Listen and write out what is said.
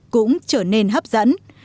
cũng trở nên hấp dẫn